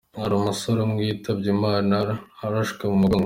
hari umusore umwe yitavye Imana arashwe mu mugongo.